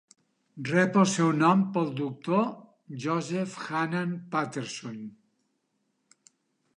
Rep el seu nom pel doctor Joseph Hanan Patterson.